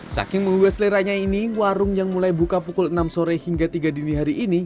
saking menggugah seleranya ini warung yang mulai buka pukul enam sore hingga tiga dini hari ini